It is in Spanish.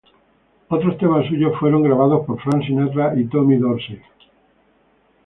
Otros temas suyos fueron grabados por Frank Sinatra y Tommy Dorsey.